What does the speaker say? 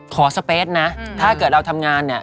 สเปสนะถ้าเกิดเราทำงานเนี่ย